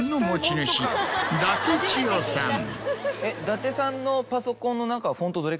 伊達さんのパソコンの中は。